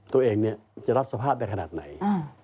ตัวเองจะรับสภาพในขณะไหน